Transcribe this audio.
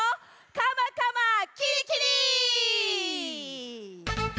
「カマカマキリキリ」！